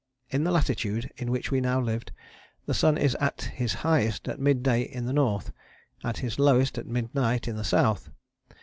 In the latitude in which we now lived the sun is at his highest at mid day in the north, at his lowest at midnight in the south.